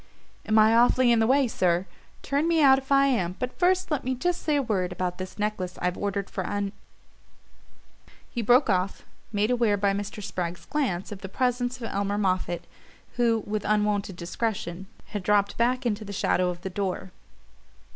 "Am I awfully in the way, sir? Turn me out if I am but first let me just say a word about this necklace I've ordered for Un " He broke off, made aware by Mr. Spragg's glance of the presence of Elmer Moffatt, who, with unwonted discretion, had dropped back into the shadow of the door.